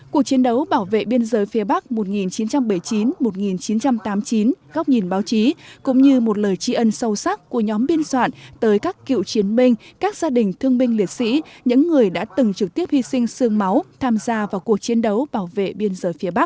cuộc chiến đấu bảo vệ biên giới phía bắc một nghìn chín trăm bảy mươi chín một nghìn chín trăm tám mươi chín góc nhìn báo chí cũng như một lời tri ân sâu sắc của nhóm biên soạn tới các cựu chiến binh các gia đình thương binh liệt sĩ những người đã từng trực tiếp hy sinh sương máu tham gia vào cuộc chiến đấu bảo vệ biên giới phía bắc